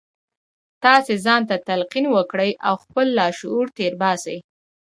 تاسې ځان ته تلقین وکړئ او خپل لاشعور تېر باسئ